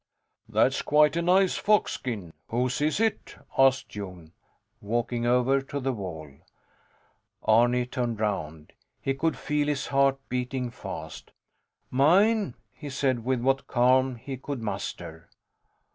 That's quite a nice fox skin. Whose is it? asked Jon, walking over to the wall. Arni turned round. He could feel his heart beating fast. Mine, he said, with what calm he could muster.